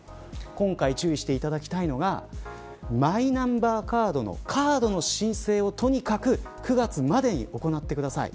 今回注意していただきたいのがマイナンバーカードのカードの申請をとにかく９月までに行ってください。